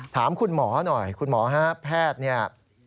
ถามคุณหมอหน่อยคุณหมอฮะแพทย์เนี่ย